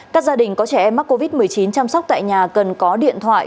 các gia đình có trẻ em mắc covid một mươi chín chăm sóc tại nhà cần có điện thoại